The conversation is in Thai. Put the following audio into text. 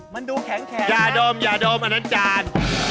มันดูแข็งอย่าดมอย่าดมอันนั้นจาน